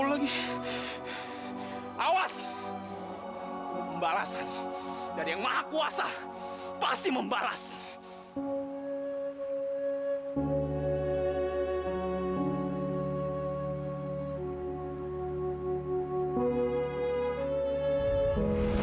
dengan tangan lanes atau tangan jauh